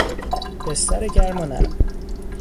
بستر گرم و نرم